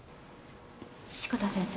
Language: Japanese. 志子田先生